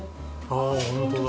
ああホントだ。